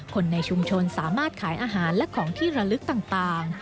คนในชุมชนสามารถขายอาหารและของที่ระลึกต่าง